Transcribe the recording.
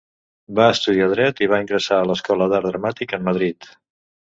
Va estudiar Dret i va ingressar a l'Escola d'Art Dramàtic en Madrid.